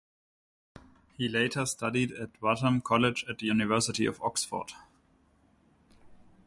He later studied at Wadham College at the University of Oxford.